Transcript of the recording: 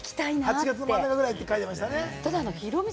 ８月中旬ぐらいって書いてましたね。